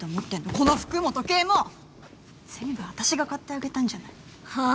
この服も時計も全部私が買ってあげたんじゃないはあっ！？